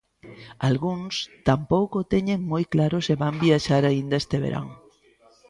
Algúns tampouco teñen moi claro se van viaxar aínda este verán.